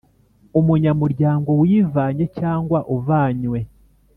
Umunyamuryango wivanye cyangwa uvanywe